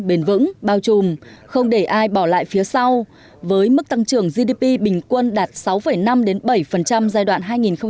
bền vững bao trùm không để ai bỏ lại phía sau với mức tăng trưởng gdp bình quân đạt sáu năm bảy giai đoạn hai nghìn một mươi sáu hai nghìn hai mươi